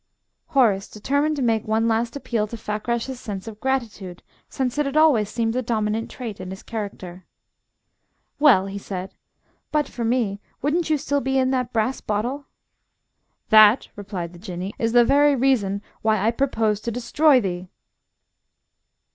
Horace determined to make one last appeal to Fakrash's sense of gratitude, since it had always seemed the dominant trait in his character. "Well," he said, "but for me, wouldn't you be still in that brass bottle?" "That," replied the Jinnee, "is the very reason why I purpose to destroy thee!"